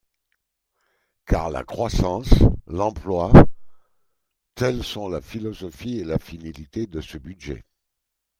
Car la croissance, l’emploi, tels sont la philosophie et la finalité de ce budget.